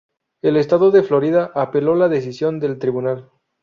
El estado de Florida apeló la decisión del tribunal.